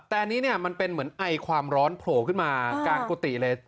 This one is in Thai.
แต่อันนี้เนี่ยมันเป็นเหมือนไอความร้อนโผล่ขึ้นมากลางกุฏิเลย